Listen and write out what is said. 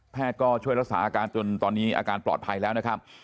ก็ช่วยรักษาอาการจนตอนนี้อาการปลอดภัยแล้วนะครับ